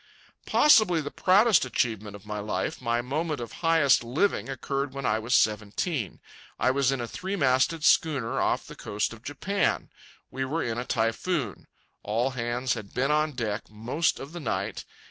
Possibly the proudest achievement of my life, my moment of highest living, occurred when I was seventeen. I was in a three masted schooner off the coast of Japan. We were in a typhoon. All hands had been on deck most of the night.